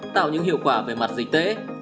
tạo những hiệu quả về mặt dịch tễ